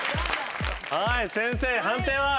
はい先生判定は？